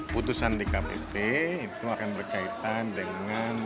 putusan dkpp itu akan berkaitan dengan